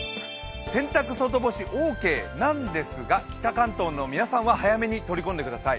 洗濯外干しオーケーなんですが、北関東の皆さんは早めに取り込んでください。